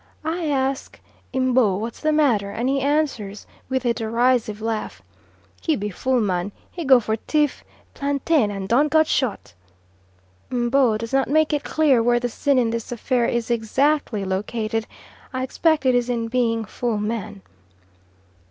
I ask M'bo what's the matter, and he answers, with a derisive laugh, "He be fool man, he go for tief plantain and done got shot." M'bo does not make it clear where the sin in this affair is exactly located; I expect it is in being "fool man."